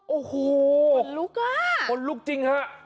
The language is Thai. โอ้โหคนลุกอ่ะคนลุกจริงฮะ